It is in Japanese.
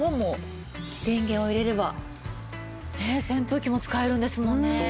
電源を入れれば扇風機も使えるんですもんね。